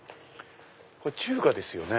中華ですよね。